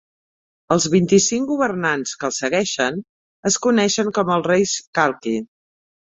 Els vint-i-cinc governants que els segueixen es coneixen com els reis Kalki.